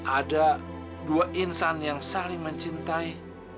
ada dua insan yang saling mencintai